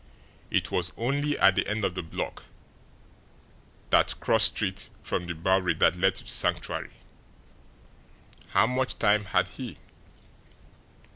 It was only at the end of the block, that cross street from the Bowery that led to the Sanctuary. How much time had he?